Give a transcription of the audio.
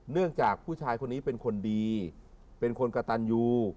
จากผู้ชายคนนี้เป็นคนดีเป็นคนกระตันยู